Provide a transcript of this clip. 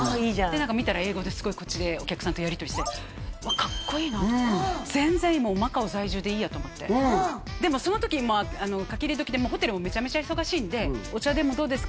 見たら英語ですごいこっちでお客さんとやりとりして全然いいもうマカオ在住でいいやと思ってでもその時かき入れ時でホテルもメチャメチャ忙しいんで「お茶でもどうですか」